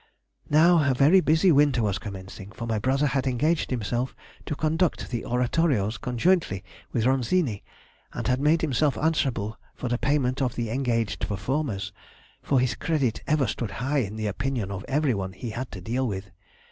"Now a very busy winter was commencing; for my brother had engaged himself to conduct the oratorios conjointly with Ronzini, and had made himself answerable for the payment of the engaged performers, for his credit ever stood high in the opinion of every one he had to deal with.